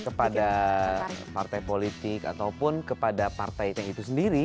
kepada partai politik ataupun kepada partai yang itu sendiri